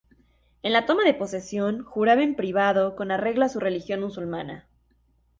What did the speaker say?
En la toma de posesión juraba en privado con arreglo a su religión musulmana.